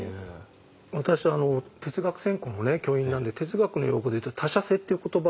私哲学専攻の教員なんで哲学の用語で言うと「他者性」っていう言葉があるんですね。